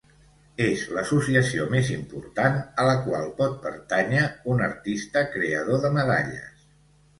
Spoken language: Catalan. És l'associació més important a la qual pot pertànyer un artista creador de medalles.